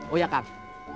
oh ya kang